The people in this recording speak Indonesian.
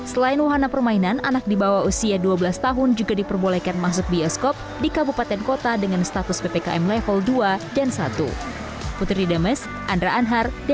selain wahana permainan anak di bawah usia dua belas tahun juga diperbolehkan masuk bioskop di kabupaten kota dengan status ppkm level dua dan satu